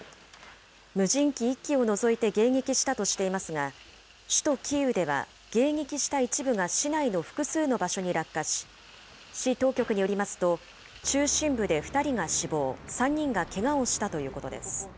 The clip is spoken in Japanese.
無人機１機を除いて迎撃したとしていますが、首都キーウでは迎撃した一部が市内の複数の場所に落下し、市当局によりますと、中心部で２人が死亡、３人がけがをしたということです。